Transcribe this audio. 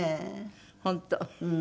本当。